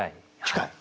近い。